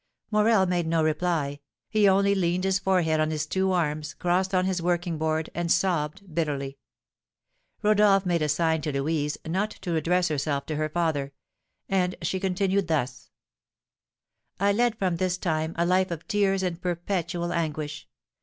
Morel made no reply; he only leaned his forehead on his two arms, crossed on his working board, and sobbed bitterly. Rodolph made a sign to Louise not to address herself to her father, and she continued thus: "I led from this time a life of tears and perpetual anguish.